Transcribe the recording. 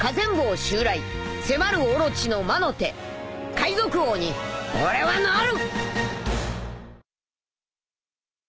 海賊王に俺はなる！